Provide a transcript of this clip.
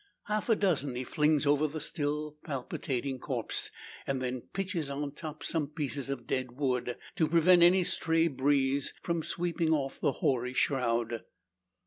Half a dozen he flings over the still palpitating corpse; then pitches on top some pieces of dead wood, to prevent any stray breeze from sweeping off the hoary shroud.